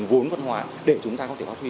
vốn văn hóa để chúng ta có thể phát huy